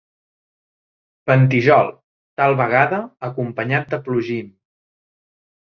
Ventijol, tal vegada acompanyat de plugim.